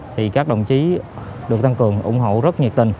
thì các đồng chí được tăng cường ủng hộ rất nhiệt tình